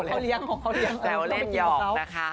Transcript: แซวเล่นหยอกนะคะ